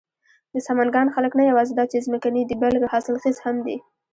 د سمنگان خلک نه یواځې دا چې ځمکني دي، بلکې حاصل خيز هم دي.